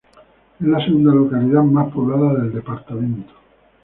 Es la segunda localidad más poblada del departamento.